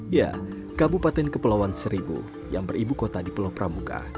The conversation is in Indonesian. ya kabupaten kepulauan seribu yang beribu kota di pulau pramuka